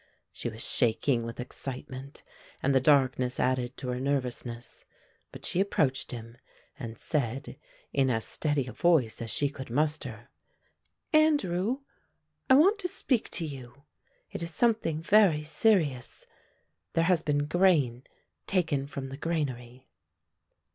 She was shaking with excitement and the darkness added to her nervousness, but she approached him and said in as steady a voice as she could muster, "Andrew, I want to speak to you. It is something very serious; there has been grain taken from the granary."